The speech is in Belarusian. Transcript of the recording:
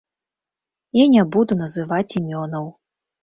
Я не буду называць імёнаў.